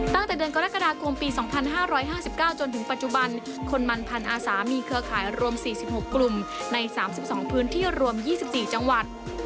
ตั้งแต่เดือนกรกฎาคมปี๒๕๕๙จนถึงปัจจุบันคนมันพันธ์อาสามีเครือข่ายรวม๔๖กลุ่มใน๓๒พื้นที่รวม๒๔จังหวัด